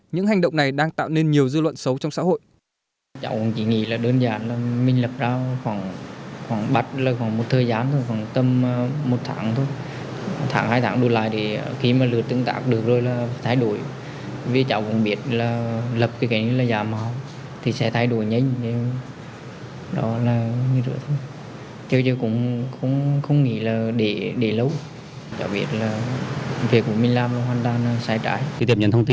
những hành động này đang tạo nên nhiều dư luận xấu trong xã hội